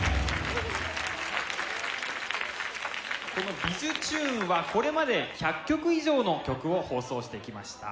この「びじゅチューン！」はこれまで１００曲以上の曲を放送してきました。